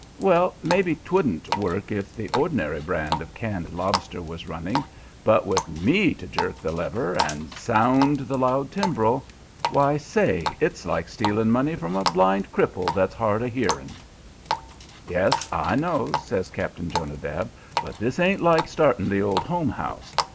"Well, maybe 'twouldn't work if the ordinary brand of canned lobster was running it, but with ME to jerk the lever and sound the loud timbrel why, say! it's like stealing money from a blind cripple that's hard of hearing." "Yes, I know," says Cap'n Jonadab. "But this ain't like starting the Old Home House.